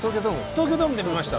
東京ドームで見ました。